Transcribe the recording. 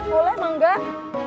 boleh emang gak